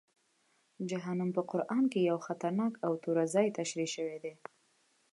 جهنم په قرآن کې یو خطرناک او توره ځای تشریح شوی دی.